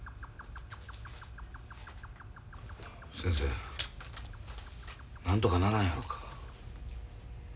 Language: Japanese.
先生なんとかならんやろか。